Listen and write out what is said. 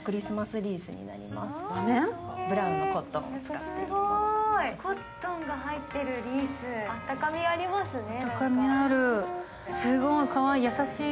コットンが入ってるリースあったかみがありますね。